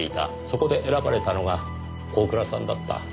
そこで選ばれたのが大倉さんだった。